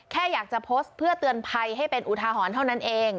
แค่อยากจะโพสต์เพื่อเตือนภัยให้เป็นอุทาหรณ์เท่านั้นเอง